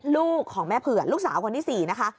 ลูกของแม่เผื่อลูกสาวคนที่๔นะคะ